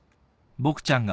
ボクちゃん